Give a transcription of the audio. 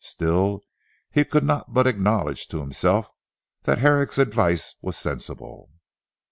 Still, he could not but acknowledge to himself that Herrick's advice was sensible.